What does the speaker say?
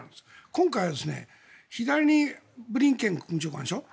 今回は左にブリンケン国務長官でしょ。